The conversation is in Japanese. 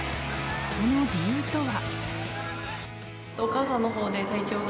その理由とは。